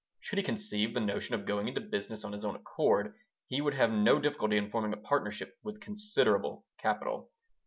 Should he conceive the notion of going into business on his own account, he would have no difficulty in forming a partnership with considerable capital.